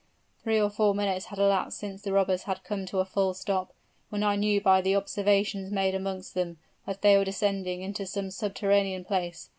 Three or four minutes had elapsed since the robbers had come to a full stop, when I knew by the observations made amongst them, that they were descending into some subterranean place.